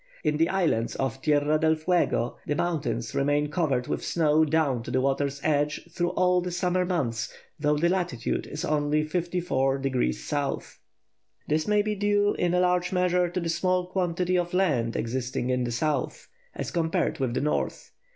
In the islands off Tierra del Fuego the mountains remain covered with snow down to the water's edge through all the summer months, though the latitude is only 54° S. This may be due, in a large measure, to the small quantity of land existing in the south, as compared with the north.